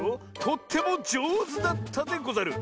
とってもじょうずだったでござる。